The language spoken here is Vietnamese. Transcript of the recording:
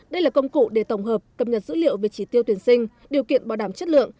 đây là công cụ để tổng hợp cập nhật dữ liệu về chỉ tiêu tuyển sinh điều kiện bảo đảm chất lượng